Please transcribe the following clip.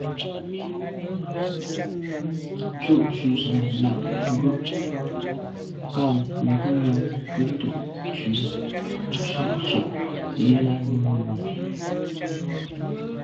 Tshù ju z’a na’ ngù kà ngùnyàm nke ndo’ ntshu i ntswe’ tsha’ yi là num lon.